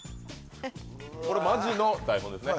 これマジの台本ですね